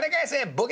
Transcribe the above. ボケ！